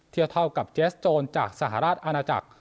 เท่ากับเจสโจรจากสหราชอาณาจักร